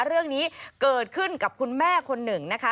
เรื่องนี้เกิดขึ้นกับคุณแม่คนหนึ่งนะคะ